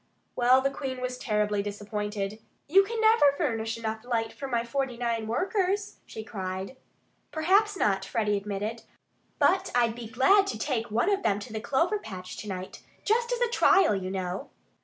Well, the Queen was terribly disappointed. "You never can furnish enough light for my forty nine workers!" she cried. "Perhaps not!" Freddie admitted. "But I'd be glad to take one of them to the clover patch to night, just as a trial, you know."